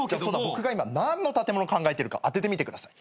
僕が今何の建物考えてるか当ててみてください。